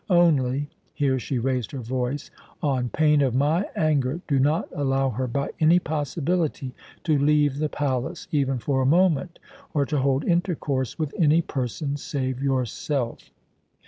Only" here she raised her voice "on pain of my anger, do not allow her by any possibility to leave the palace, even for a moment, or to hold intercourse with any person save yourself."